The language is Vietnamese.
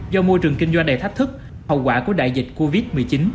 do môi trường kinh doanh đầy thách thức hậu quả của đại dịch covid một mươi chín